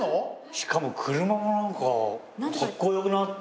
しかも車がなんかかっこよくなって。